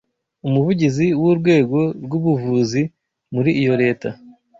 Umuvugizi w’urwego rw’ubuvuzi muri iyo Leta